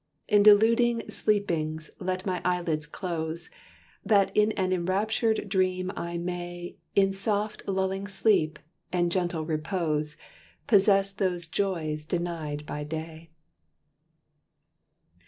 In deluding sleepings let my Eyelids close, That in an enraptured Dream I may In a soft lulling sleep and gentle repose Possess those joys denied by Day."